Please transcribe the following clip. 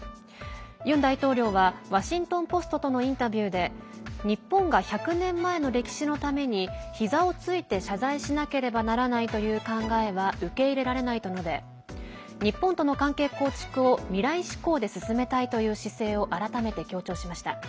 ユン大統領はワシントン・ポストとのインタビューで日本が１００年前の歴史のためにひざをついて謝罪しなければならないという考えは受け入れられないと述べ日本との関係構築を未来志向で進めたいという姿勢を改めて強調しました。